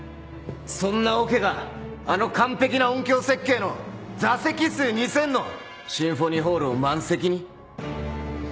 そんなオケがあの完璧な音響設計の座席数２０００のシンフォニーホールを満席に？